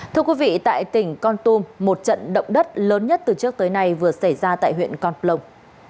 thưa quý vị tại tỉnh con tum một trận động đất lớn nhất từ trước tới nay vừa xảy ra tại huyện con plong